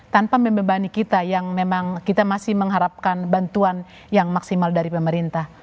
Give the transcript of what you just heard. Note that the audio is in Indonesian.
tanpa membebani kita yang memang kita masih mengharapkan bantuan yang maksimal dari pemerintah